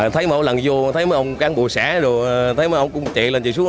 thấy mỗi lần vô thấy mấy ông cán bộ xã thấy mấy ông cũng chạy lên chạy xuống